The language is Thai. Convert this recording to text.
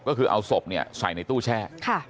ก็คือเอาศพใส่ในตู้แช่